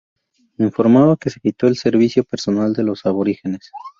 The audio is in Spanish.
Informaba que se quitó el servicio personal de los aborígenes.